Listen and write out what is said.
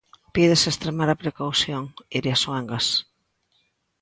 Pídese extremar a precaución, Iria Soengas.